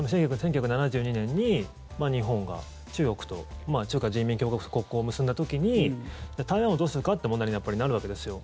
１９７２年に日本が中国と中華人民共和国と国交を結んだ時に台湾をどうするかっていう問題にやっぱりなるわけですよ。